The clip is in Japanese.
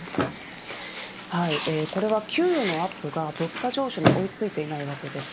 これは給与のアップが物価上昇に追いついていないわけです。